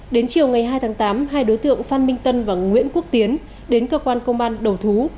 đến chiều ngày hai tháng tám hai đối tượng phan minh tân và nguyễn quốc tiến đến cơ quan công an đầu thú